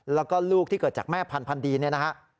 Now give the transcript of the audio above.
แล้วก็ลูกที่เกิดจากแม่พันธุดีเนี่ยนะฮะ